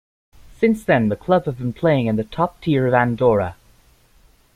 Since then the club have been playing in the top tier of Andorra.